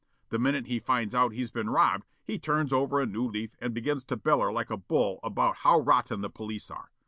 The minute he finds out he's been robbed he turns over a new leaf and begins to beller like a bull about how rotten the police are.